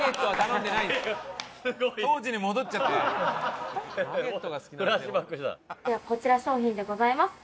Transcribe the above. ではこちら商品でございます。